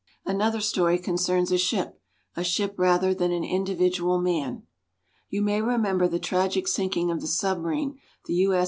Another story concerns a ship, a ship rather than an individual man. You may remember the tragic sinking of the submarine, the U.